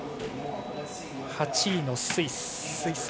８位のスイス。